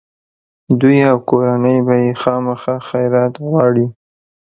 دوی او کورنۍ به یې خامخا خیرات غواړي.